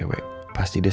aku mau ke depan karindog